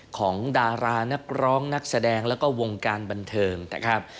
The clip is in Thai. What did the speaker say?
ของดารานักร้องนักแสดงแล้วก็วงการบันเทิงนะครับ